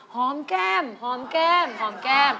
หอมแก้มหอมแก้มหอมแก้ม